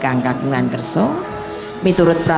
ketika kita akan bisa berusaha